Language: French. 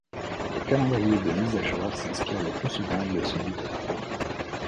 Le calendrier de mises à jour s’inspire le plus souvent de celui de Chrome.